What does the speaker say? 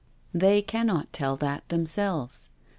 *' They cannot tell that themselves.